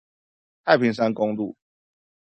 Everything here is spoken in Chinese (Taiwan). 太平山公路